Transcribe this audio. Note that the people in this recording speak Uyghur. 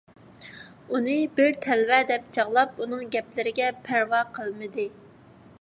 ئۇنى بىر تەلۋە دەپ چاغلاپ، ئۇنىڭ گەپلىرىگە پەرۋا قىلمىدى.